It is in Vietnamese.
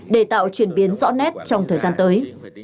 để tạo chuyển biến rõ nét trong thời gian tới